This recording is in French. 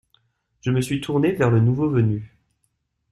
Je me suis tourné vers le nouveau venu.